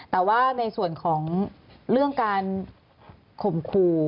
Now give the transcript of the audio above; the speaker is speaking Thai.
แต่ว่าในส่วนของเรื่องการข่มขู่